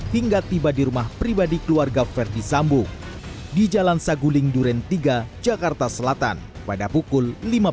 hingga tiba di rumah pribadi keluarga verdi sambo di jalan saguling duren tiga jakarta selatan pada pukul lima belas